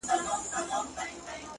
سیاه پوسي ده د مړو ورا ده،